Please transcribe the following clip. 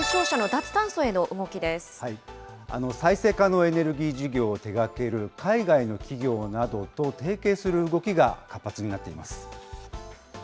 再生可能エネルギー事業を手がける海外の企業などと提携する動きが活発になっています。